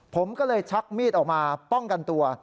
ผมก็เลยชักมีดออกมาป้องกันตัว